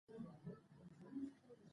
وويل يې لکڼه مې د خان کړه کېږدئ.